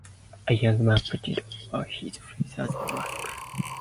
A young man put it over his face as a mask.